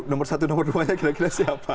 nomor satu nomor dua nya kira kira siapa